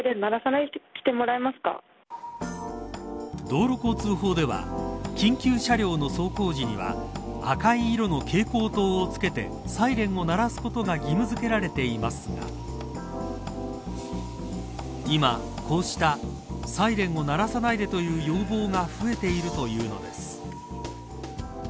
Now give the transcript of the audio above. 道路交通法では緊急車両の走行時には赤い色の警光灯をつけてサイレンを鳴らすことが義務づけられていますが今、こうしたサイレンを鳴らさないでという要望が増えているというのです。